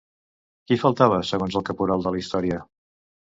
Qui faltava segons el caporal de la història?